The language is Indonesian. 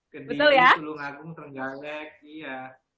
kediri tulungagung trenggaleg iya